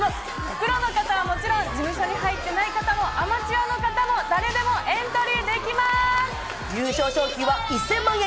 プロの方はもちろん、事務所に入っていない方もアマチュアの方も優勝賞金は１０００万円。